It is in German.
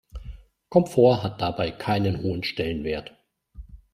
Komfort hat dabei keinen hohen Stellenwert.